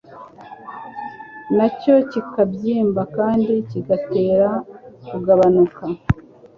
nacyo kikabyimba kandi kigatera kugabanuka